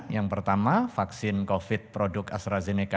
yang pertama vaksin covid sembilan belas produk astrazeneca